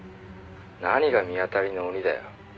何がミアタリの鬼だよ」